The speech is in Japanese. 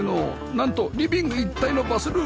なんとリビング一体のバスルーム